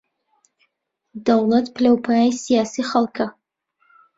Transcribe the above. دەوڵەت پلە و پایەی سیاسیی خەڵکە